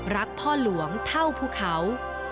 รักพ่อหลวงเท่าภูเขา